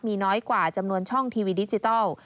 มีน้อยกว่าจำนวนช่องทีวีดิจิทัล